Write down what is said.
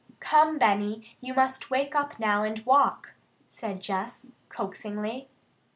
"Come, Benny, you must wake up now and walk!" said Jess coaxingly.